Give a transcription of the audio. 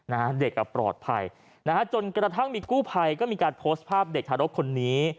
นะฮะเด็กอ่ะปลอดภัยนะฮะจนกระทั่งมีกู้ภัยก็มีการโพสต์ภาพเด็กทารกคนนี้